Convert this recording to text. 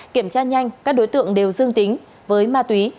kiểm tra nhanh các đối tượng đều dương tính với ma túy